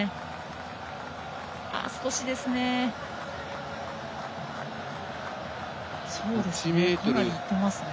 少しですね。